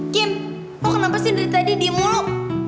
kim kok kenapa sih dari tadi dia diam mulu